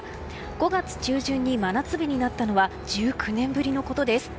５月中旬に真夏日になったのは１９年ぶりのことです。